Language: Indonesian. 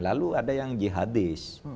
lalu ada yang jihadis